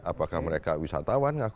apakah mereka wisatawan